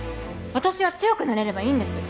私は強くなれればいいんです。